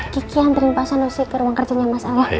kiki anterin pak sanusi ke ruang kerja nya mas al ya